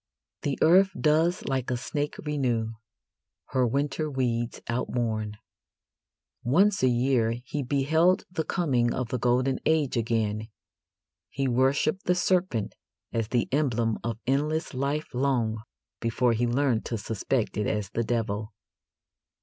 The earth does like a snake renew Her winter weeds outworn. Once a year he beheld the coming of the golden age again. He worshipped the serpent as the emblem of endless life long before he learned to suspect it as the devil.